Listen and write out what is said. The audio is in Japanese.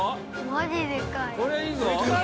マジでかい。